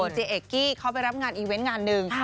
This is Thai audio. เจเอกกี้เขาไปรับงานอีเวนต์งานหนึ่ง